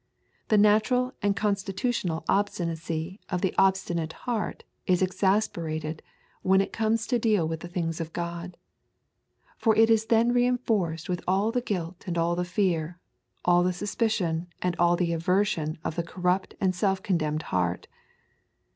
The natural and constitutional obstinacy of the obstinate heart is exasperated when it comes to deal with the things of God. For it is then reinforced with all the guilt and all the fear, all the suspicion and all the aversion of the corrupt and self condemned heart.